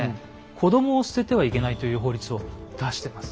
子供を捨ててはいけないという法律を出してます。